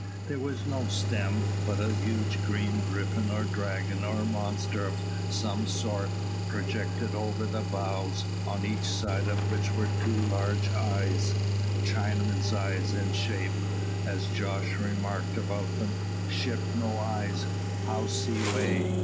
There was no stem, but a huge green griffin or dragon, or monster of some sort, projected over the bows, on each side of which were two large eyes Chinaman's eyes in shape: and as Jos remarked about them, "Ship no eyes, how see way?"